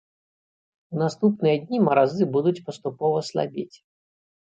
У наступныя дні маразы будуць паступова слабець.